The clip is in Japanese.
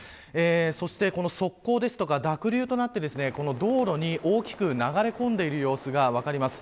そして、この側溝ですとか濁流となって道路に大きく流れ込んでいる様子が分かります。